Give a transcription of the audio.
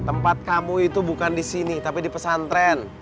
tempat kamu itu bukan disini tapi di pesantren